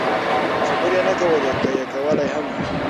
خبرې یې نه کولې، که یې کولای هم.